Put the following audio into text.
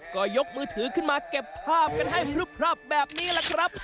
ก็ยกมือถือขึ้นมาเก็บภาพกันให้พลึบพรับแบบนี้แหละครับ